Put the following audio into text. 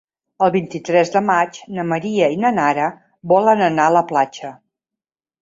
El vint-i-tres de maig na Maria i na Nara volen anar a la platja.